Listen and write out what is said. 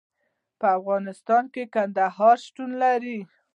په افغانستان کې کندهار شتون لري.